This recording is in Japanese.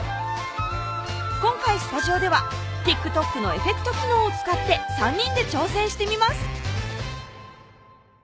今回スタジオではＴｉｋＴｏｋのエフェクト機能を使って３人で挑戦してみます